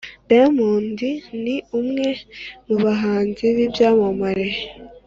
diamond ni umwe mu bahanzi b’ibyamamare